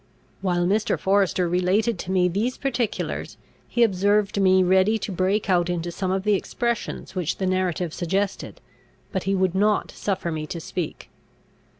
While Mr. Forester related to me these particulars, he observed me ready to break out into some of the expressions which the narrative suggested; but he would not suffer me to speak.